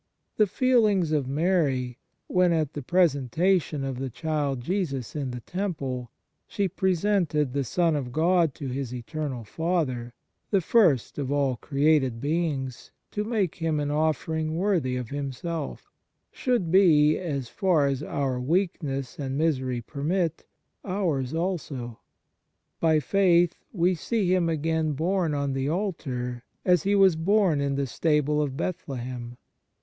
The feelings of Mary, when at the presenta tion of the Child Jesus in the Temple she presented the Son of God to His Eternal I 7 ather the first of all created beings to make Him an offering worthy of Himself 1 " Following of Christ," bk. iv., c. 6. 140 ON SOME PREROGATIVES OF GRACE should be, as far as our weakness and misery permit, ours also. By faith we see Him again born on the altar, as He was born in the stable of Bethlehem.